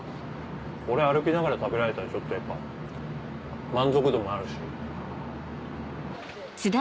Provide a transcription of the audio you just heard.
これ歩きながら食べられたらちょっとやっぱ満足度もあるし。